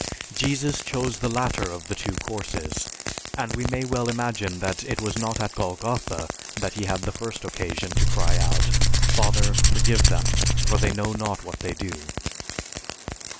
Jesus chose the latter of the two courses, and we may well imagine that it was not at Golgotha that he had the first occasion to cry out, "Father, forgive them for they know not what they do!"